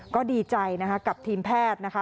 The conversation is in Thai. ก็ดีใจนะคะกับทีมแพทย์นะคะ